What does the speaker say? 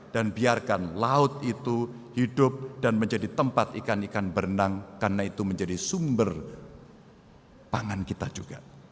dan biarkan laut itu hidup dan menjadi tempat ikan ikan berenang karena itu menjadi sumber pangan kita juga